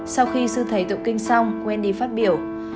sau khi sư thầy đọc kinh xong wendy phát biểu